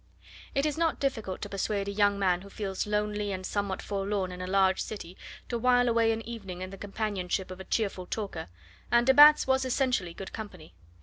It is not difficult to persuade a young man who feels lonely and somewhat forlorn in a large city to while away an evening in the companionship of a cheerful talker, and de Batz was essentially good company.